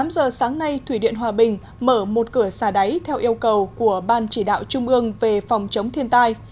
tám giờ sáng nay thủy điện hòa bình mở một cửa xà đáy theo yêu cầu của ban chỉ đạo trung ương về phòng chống thiên tai